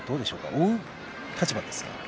追う立場ですか？